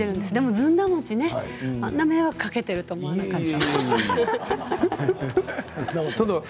ずんだ餅、あんなに迷惑をかけているとは思わなかった。